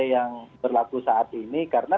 yang berlaku saat ini karena